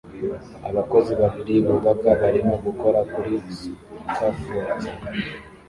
Abakozi babiri bubaka barimo gukora kuri scafold